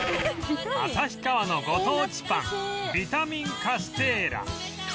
旭川のご当地パンビタミンカステーラ